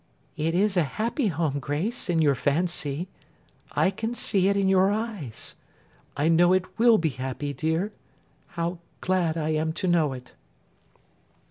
'It is a happy home, Grace, in your fancy. I can see it in your eyes. I know it will be happy, dear. How glad I am to know it.